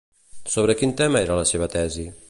Sobre quin tema era la seva tesi?